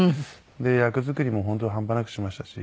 で役作りも本当半端なくしましたし。